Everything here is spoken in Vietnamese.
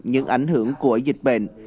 những ảnh hưởng của dịch bệnh